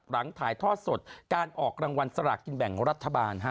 หลังถ่ายทอดสดการออกรางวัลสลากกินแบ่งรัฐบาล